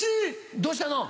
どうしたの？